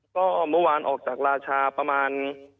ก็เมื่อวานออกจากราชาประมาณ